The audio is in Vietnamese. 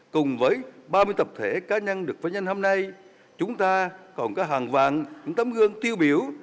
cùng với ba mươi tập thể cá nhân được phát nhân hôm nay chúng ta còn có hàng vàng những tấm gương tiêu biểu